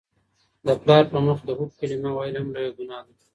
د پلار په مخ کي د "اف" کلمه ویل هم لویه ګناه ده.